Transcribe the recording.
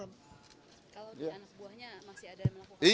kalau di anak buahnya masih ada yang melakukan